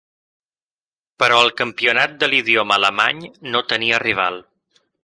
Però el campionat de l'idioma alemany no tenia rival.